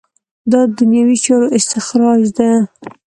دا دنیوي چارو استخراج ده.